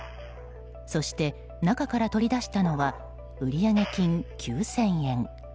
そして中から取り出したのは売上金９０００円。